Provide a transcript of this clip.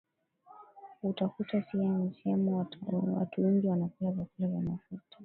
a utakuta siha njema watuwengi wanakula vyakula vya mafuta